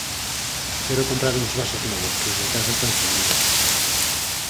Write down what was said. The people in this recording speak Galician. Quero comprar uns vasos novos que os da casa están fendidos.